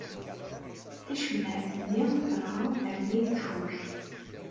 Tacemmaɛt-nni terɣa armi ay tfuk.